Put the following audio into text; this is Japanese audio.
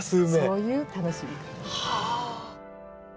そういう楽しみ方。